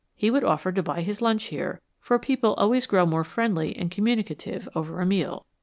He would offer to buy his lunch here, for people always grow more friendly and communicative over a meal.